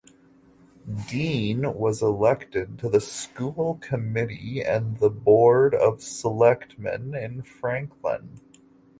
Dean was elected to the School Committee and the Board of Selectmen in Franklin.